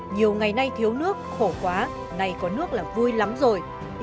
nhiều ngày nay thiếu nước khổ quá nay có nước là vui lắm rồi yên tâm rồi